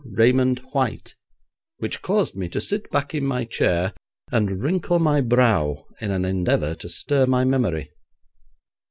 Raymond White, which caused me to sit back in my chair and wrinkle my brow in an endeavour to stir my memory.